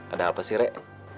ada apa sih rek